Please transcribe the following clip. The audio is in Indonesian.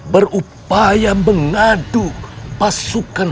berupaya mengadu pasukan